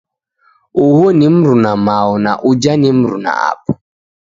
Uhu ni mrina-mao na ujha ni mrina-apa